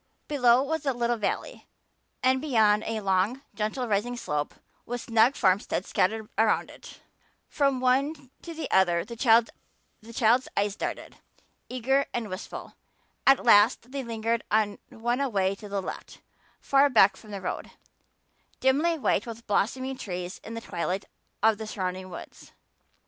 Below was a little valley and beyond a long, gently rising slope with snug farmsteads scattered along it. From one to another the child's eyes darted, eager and wistful. At last they lingered on one away to the left, far back from the road, dimly white with blossoming trees in the twilight of the surrounding woods.